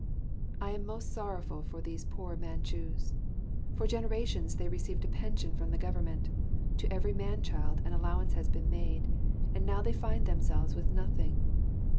I am most sorrowful for these poor Manchus. For generations they have received a pension from the government; to every man child an allowance has been made; and now they find themselves with nothing.